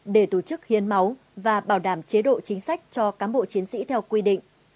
để tổ chức hiến máu và bảo đảm chế độ chính sách cho cám bộ chiến sĩ theo quy định